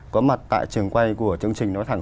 có mặt tại trường quay của chương trình nói thẳng